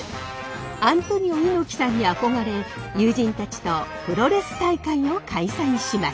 アントニオ猪木さんに憧れ友人たちとプロレス大会を開催しました。